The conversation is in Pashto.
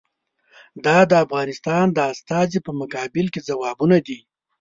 دا د افغانستان د استازي په مقابل کې ځوابونه دي.